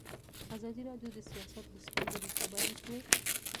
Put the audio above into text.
ازادي راډیو د سیاست د ستونزو رېښه بیان کړې.